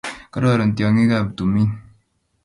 kororon tyongik ap tumin